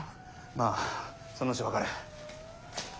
まあそのうち分かる。